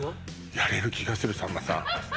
やれる気がするさんまさん